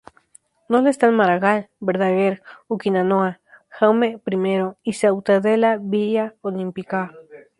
No lo están Maragall, Verdaguer, Urquinaona, Jaume I y Ciutadella-Vila Olímpica.